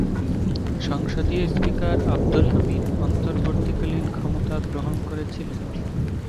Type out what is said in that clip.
সংসদীয় স্পিকার আব্দুল হামিদ অন্তর্বর্তীকালীন ক্ষমতা গ্রহণ করেছিলেন।